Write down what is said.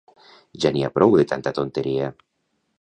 Ja n'hi ha prou de tanta tonteria!